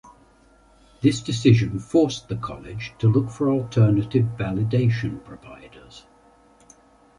This decision forced the college to look for alternative validation providers.